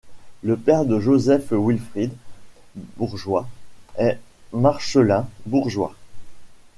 Le père de Joseph Wilfred Bourgeois est Marcelin Bourgeois.